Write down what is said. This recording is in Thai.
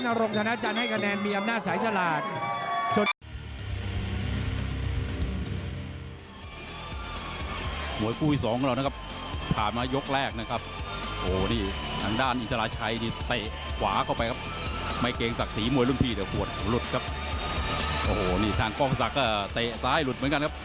นรกธนาจันทร์ให้คะแนนมีอำนาจสายฉลาด